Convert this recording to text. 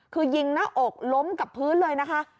คือยิงหน้าอกล้มกับพื้นเลยนะคะ